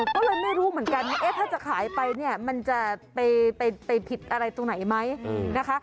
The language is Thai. ก็เลยไม่รู้เหมือนกันว่าถ้าจะขายไปเนี่ยมันจะไปผิดอะไรตรงไหนไหมนะคะ